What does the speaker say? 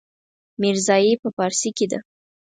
ميرزايي په پارسي کې ده.